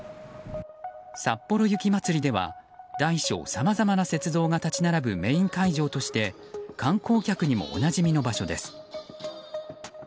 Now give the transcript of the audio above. さっぽろ雪まつりでは大小さまざまな雪像が立ち並ぶメイン会場として観光客にもおなじみの場所です。